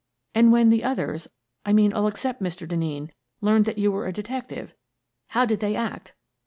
" And when the others — I mean all except Mr. Denneen — learned that you were a detective, how did they act?"